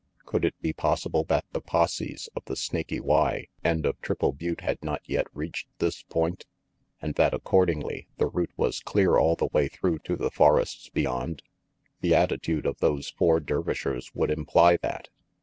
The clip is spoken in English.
Could it be possible that the posses of the Snaky Y and of Triple Butte had not yet reached this point, and that accordingly the route was clear all the way through to the forests beyond? The attitude of those four Dervishers would imply that.